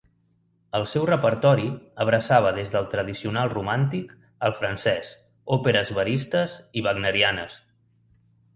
El seu repertori abraçava des del tradicional romàntic al francès, òperes veristes i wagnerianes.